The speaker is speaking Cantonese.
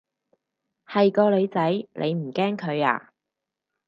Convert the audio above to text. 係個女仔，你唔驚佢啊？